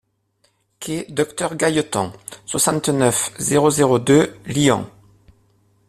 Quai Docteur Gailleton, soixante-neuf, zéro zéro deux Lyon